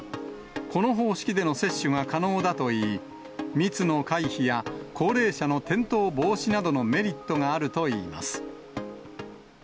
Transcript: この方式での接種が可能だといい、密の回避や高齢者の転倒防止などのメリットがあるといいます。